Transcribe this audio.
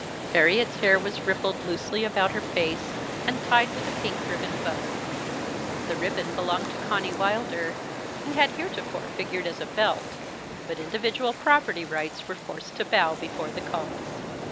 Harriet's hair was rippled loosely about her face, and tied with a pink ribbon bow. The ribbon belonged to Conny Wilder, and had heretofore figured as a belt; but individual property rights were forced to bow before the cause.